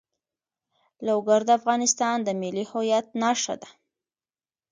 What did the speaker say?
لوگر د افغانستان د ملي هویت نښه ده.